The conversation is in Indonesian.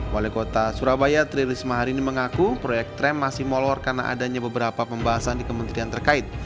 wali kota surabaya tri risma hari ini mengaku proyek tram masih molor karena adanya beberapa pembahasan di kementerian terkait